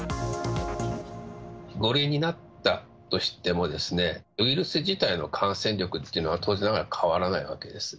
５類になったとしてもですね、ウイルス自体の感染力っていうのは当然ながら変わらないわけです。